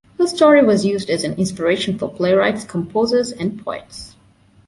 Her story was used as an inspiration for playwrights, composers and poets.